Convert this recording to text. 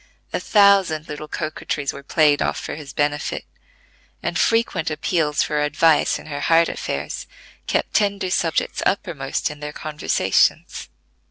A thousand little coquetries were played off for his benefit, and frequent appeals for advice in her heart affairs kept tender subjects uppermost in their conversations.